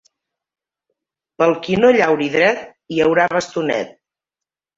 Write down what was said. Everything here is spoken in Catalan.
Pel qui no llauri dret, hi haurà bastonet.